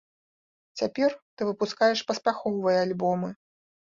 Цяпер ты выпускаеш паспяховыя альбомы.